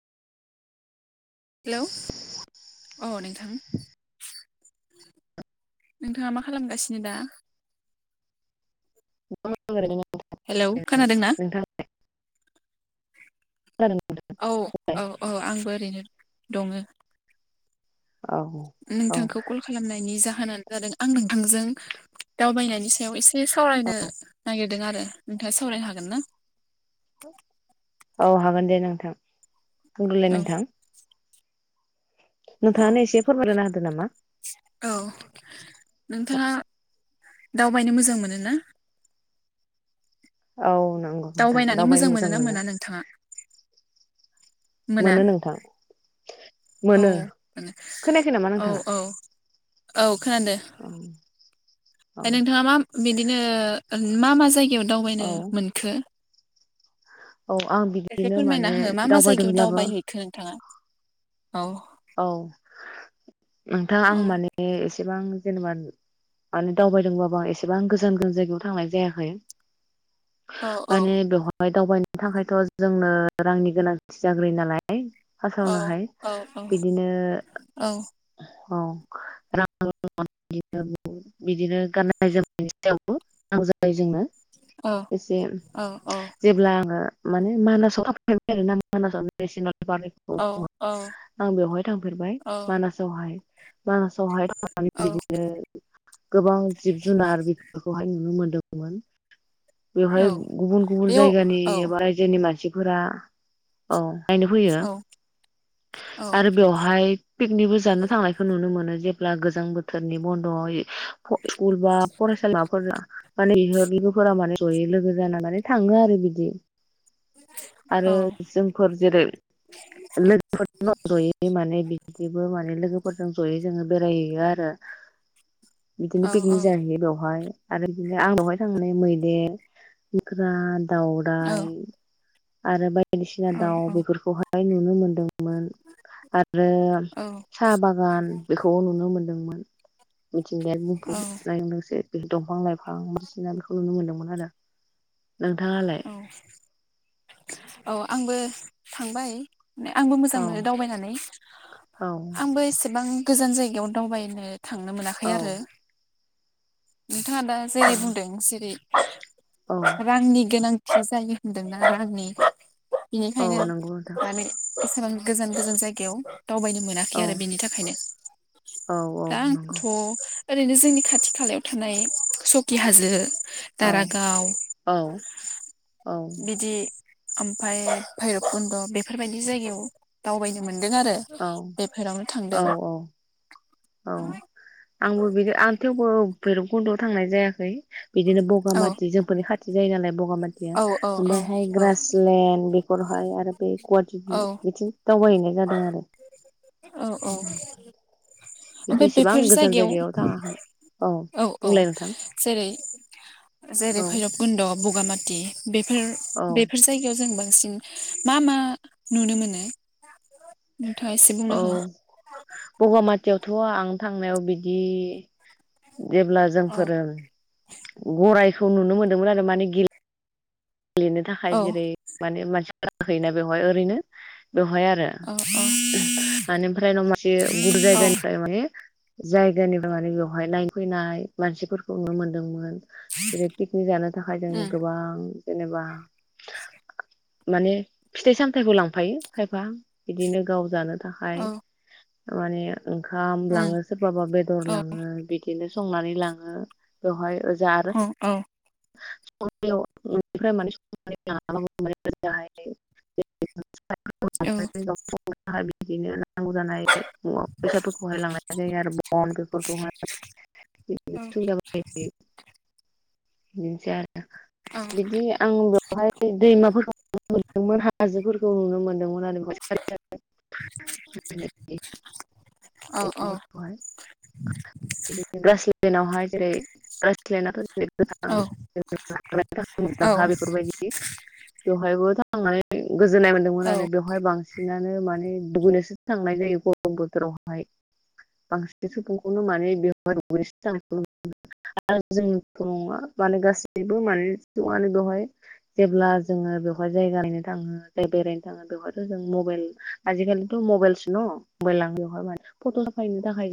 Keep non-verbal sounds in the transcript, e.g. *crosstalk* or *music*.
Hello अ नोंथां नोंथाङा मा खालामगासिनो दा दं ओरैनो हेलौ खोनादों ना खोनादों? औ औ औ आंबो ओरैनो दङो औ औ नोंथांखौ कल खालामनायनि जा होनानो जादों आं नोंथांजों दावबायनायनि सायाव एसे बे सावरायनो नागिरदों आरो नोंथाङा सावरायनो हागोन ना औ हागोन दे नोंथां *unintelligible* औ नोंथां औ नोंथाङानो एसे फोरमायना होदो नामा औ नोंथाङा दावबायनो मोजां मोनो ना औ नंगौ नोंथां दावबायनानै दावबायनो मोजां मोनो ना मोना नोंथाङा मोना मोनो नोंथां औ मोनो खोनायाखै नामा औ नोंथाङा औ औ खोनादो औ औ ओमफ्राय नोंथाङा मा बिदिनो मा मा जाय गायाव दावबायनो औ मोनखो औ आं एसे बिदिनो फोरमायना माने हो मा मा जायगायाव दावबायदोंब्लाबो दावबायहैखो नोंथाङा औ औ नोंथाङा आं माने ए सेबां जेनेबा माने दावबायदोंबाबो एसेबां गोजान गोजान जायगायाव थांनाय जायाखै माने बेव हाय दावबायनो थाखायथ' जोंनो रांनि गोनांथि जाग्रो नालाय फासावनो हाय बिदिनो औ रां बिदिनो *unintelligible* बिदिनो गाननाय जोमनायनि सायावबो रां नांनौ जायो जोंनो एसे जेब्ला आङो माने मानास *unintelligible* *unintelligible* आं बेवहाय थांफेरबाय औ मानासावहाय मानासावहाय थांनानै औ बिदिनो गोबां जिब जुनार बेफोरखौहाय नुनो मोनो नदोंमोन औ बेवहाय गुबुन गुबुन बेयाव जायगानि औ बा रायजोनि मानसि फोरा अ नायनो फैयो औ आरो बेवहाय पिकनिकबो जानो थांनायखौ नुनो मोनो जेब्ला गोजां बोथोरनि बन्द'आव स्कुल बा फरायसालिमाफोरा माने बिहा लोगोफोरा माने जयै लोगो जाना मान थाङो आरो बिदि औ आरो जोंफोर जेरै लोगोफोर जयै माने बि दिबो माने लोगोफोरजों ज'यै जोङो बेरायहैयो आरो औ बिदिनो पिकनिक जाहैयो बेवहाय। आरो बिदिनो आंनावहाय थांनानै मैदेर मोख्रा औ दावराय आरो बाय बायदिसिना दाउ बेफोरखौहाय हाय नुनो मोनो। आरो औ साहा बागान बेखौबो नुनो मोनदोंमोन। मिथिंगायारि औ *unintelligible* बे दंफां लाइफां बायदिसिना बेखौ नुनो मोनदोंमोन आरो। नोंथाङालाय? औ आंबो थांबाय। माने आंबो मोजां औ मोनो दावबायनानै औ आंबो एसेबां गोजान जायगायावनो दावबायनो थांनो मोनाखै औ आरो। नोंथाङा दा जेरै बुंदों जेरै औ रांनि गोनां होजायो होनदों ना? रांनि औ बेनिखायनो नंगौ नोंथां माने एसेबां गोजान गोजान जायगायाव दावबायनो मोनाखै औ आरो बेनि थाखायनो औ औ आं थ नंगौ ओरैनो जोंनि खाथि खालायाव थानाय सकि हाजो औ दारागाव औ औ बिदि ओमफाय भैरबकुन्द बेफोरबायदि जायगायाव दावबायनो मोनदों आरो बेफोरावनो औ थांदों। औ आंबो बिदि आंथ थेवबो भैरबकुन्दआव थांनाय जायाखै। बिदिनो बगा औ माथि जोंफोरनि खाथि जायो नालाय बग बगा मातिया औ औ ओमफ्रायहाय औ ग्रासलेनड बेखौहाय आरो बे गुवाहाटिथिं बिथिं दावबायहैनाय जादों आरो औ औ बिदि ओमफाय एसेबां बेफोर गोजान जायगायाव थाङाखै औ औ बुंलाय नोंथां जेरै जेरै औ भैरबकुन्द' बगा माथि बेफोर औ बेफोर जायगायाव जोंबो सिं मा मा नुनो मोनो नोंथाङा एसे बुंना हो खाथियावथ' आं थांनायाव बिदि जेब्ला जों औ फोरों गराय खौ नुनो मोन्दोंमोन आरो माने गि गेलेनो थाखाय औ जेरै माने मानसि गाखोयोना बेवहाय ओरैनो बेवहाय आरो औ ओ ओमफ्राय न मासे गुबुन औ जायगानिफ्राय माने जायगानिफ्राय माने बेवहाय नायनो फैनाय मानसिफोरखौ नुनो मोनदोंमोन जेरै पिकनिक जानो थाखाय जोंनो उम गोबां जेनेबा *inaudible* माने फिथाइ सामथाइखौ लांफायो खायफा बिदिनो गाव जानो थाखाय औ माने ओंखाम उम लाङो सोरबाबा बेदर औ लाङो बिदिनो संनानै लाङो बेवहाय औ औ औ बेनिफ्राय माने *unintelligible* औ बिदिनो नांगौ जानाय मुवा बेसादफोरखौहाय लांनाय जायो आरो बन बेफोरखौहाय *unintelligible* बिदिनोसै आरो बिदि आं बेवहाय दैमाफोरखौ नुनो मोनदोंमोन हाजोफोरखौ नुनो मोन्दोंमोन आरो औ *unintelligible* दिनावहाय जेरै रायज्लायना *unintelligible* औ मोजांहा बेफोरबायदि दहायबो थांनाय गोजोननाय मोन्दोंमोन औ आरो बेवहाय बांसिन बांसिनानो माने दुगैनोसो थांनाय जायो गरम बोथोरावहाय बांसिन सुबुंखौनो माने बेवहाय दुगैनोसो थांनाय *unintelligible* जोंथ नङा माने गासैबो माने नानै बेवहाय जेब्ला जोङो बेवहाय जायगा नायनो थाङो जाय बेरायनो थाङो बेवहायथ' जों मबाइल आजिखालिथ' मबाइलसो न मबाइलानो बेवहाय माने फट' साफायनो थाखाय